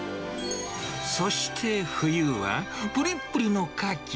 そして冬は、ぷりっぷりのカキ。